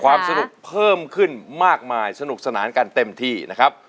ความสนุกเพิ่มขึ้นมากมายสนุกสนานกันเต็มที่นะครับ